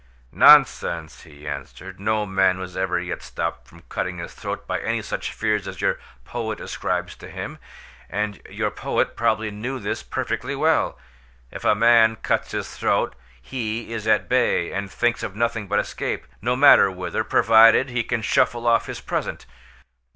"Nonsense," he answered, "no man was ever yet stopped from cutting his throat by any such fears as your poet ascribes to him—and your poet probably knew this perfectly well. If a man cuts his throat he is at bay, and thinks of nothing but escape, no matter whither, provided he can shuffle off his present.